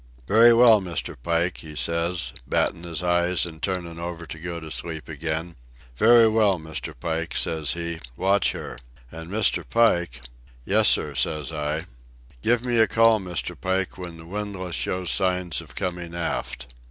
'Very well, Mr. Pike,' he says, battin' his eyes and turnin' over to go to sleep again. 'Very well, Mr. Pike,' says he. 'Watch her. An' Mr. Pike ...' 'Yes, sir,' says I. 'Give me a call, Mr. Pike, when the windlass shows signs of comin' aft.